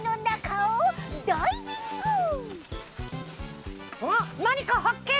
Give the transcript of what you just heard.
おっなにかはっけん！